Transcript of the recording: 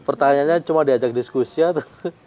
pertanyaannya cuma diajak diskusi atau